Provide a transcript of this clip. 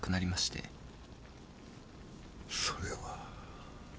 それは。